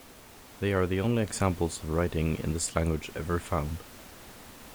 They are the only examples of writing in this language ever found.